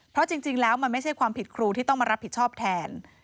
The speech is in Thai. เพราะจริงแล้วมันไม่ใช่ความผิดครูที่ต้องมารับผิดชอบแทน